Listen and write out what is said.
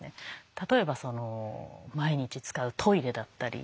例えば毎日使うトイレだったり。